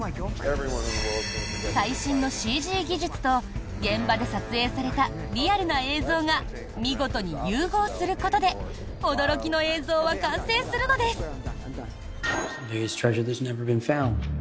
最新のＣＧ技術と現場で撮影されたリアルな映像が見事に融合することで驚きの映像は完成するのです。